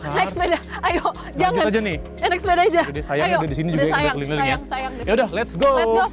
ayo naik sepeda ayo jangan aja nih naik sepeda aja sayang udah disini juga ya udah let's go